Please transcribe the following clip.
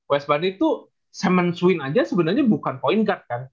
west bandit tuh salmon swing aja sebenarnya bukan point guard kan